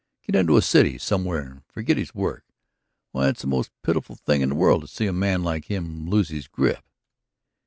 Get into a city somewhere and forget his work. Why, it's the most pitiful thing in the world to see a man like him lose his grip."